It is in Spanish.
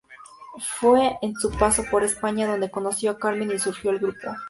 Fue en su paso por España donde conoció a Carmen y surgió el grupo.